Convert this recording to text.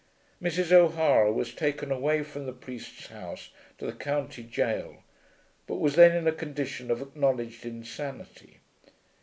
Mrs. O'Hara was taken away from the priest's house to the County Gaol, but was then in a condition of acknowledged insanity.